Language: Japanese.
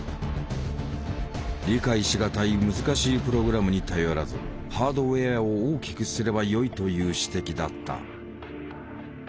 理解しがたい難しいプログラムに頼らずハードウェアを大きくすればよいという指摘だった。